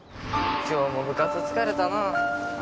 今日も部活疲れたなあ。